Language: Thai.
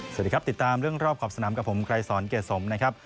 สวัสดีครับติดตามเรื่องรอบขอบสนามกับผมไกรสอนเกรสมนะครับ